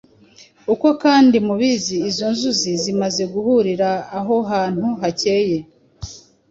uko kandi mubizi izo nzuzi zimaze guhurira aho hantu hakeye